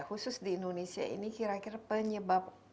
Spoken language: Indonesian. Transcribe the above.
khusus di indonesia ini kira kira penyebab utamanya ini apa